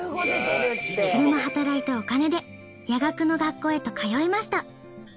昼間働いたお金で夜学の学校へと通いました。